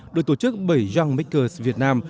được tổ chức bởi young makers việt nam